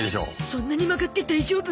そんなに曲がって大丈夫？